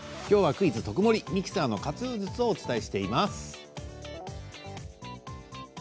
きょうは「クイズとくもり」ミキサーの活用術をお伝えしています。